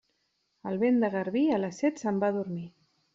El vent de garbí, a les set se'n va a dormir.